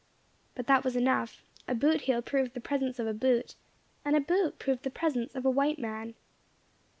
But that was enough; a boot heel proved the presence of a boot, and a boot proved the presence of a white man.